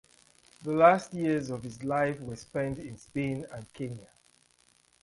The last years of his life were spent in Spain and Kenya.